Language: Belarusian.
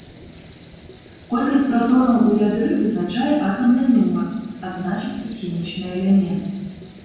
Колькасць пратонаў у ядры вызначае атамны нумар, а значыць і хімічны элемент.